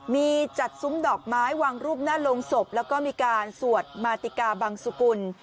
มีจัดซุ้มดอกไม้วางรูปหน้าโรงศพแล้วก็มีการสวดมาติกาบังสุกุล